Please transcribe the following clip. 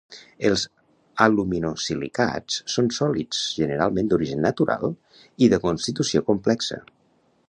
Els aluminosilicats són sòlids, generalment d'origen natural i de constitució complexa.